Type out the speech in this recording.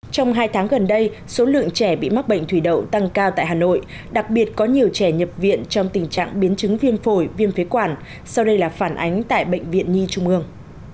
trong hai tháng gần đây số lượng trẻ bị mắc bệnh thủy đậu tăng cao tại hà nội đặc biệt có nhiều trẻ nhập viện trong tình trạng biến chứng viêm phổi viêm phế quản sau đây là phản ánh tại bệnh viện nhi trung ương